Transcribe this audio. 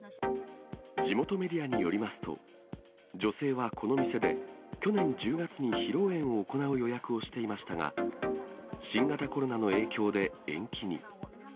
地元メディアによりますと、女性はこの店で、去年１０月に披露宴を行う予約をしていましたが、新型コロナの影響で延期に。